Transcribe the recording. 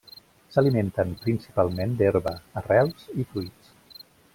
S'alimenten principalment d'herba, arrels i fruits.